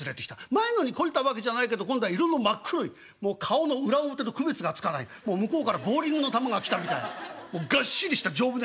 前のに懲りたわけじゃないけど今度は色の真っ黒いもう顔の裏表の区別がつかない向こうからボウリングの球が来たみたいながっしりした丈夫なやつ。